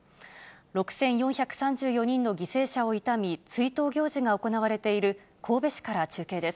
６４３４人の犠牲者を悼み、追悼行事が行われている神戸市から中継です。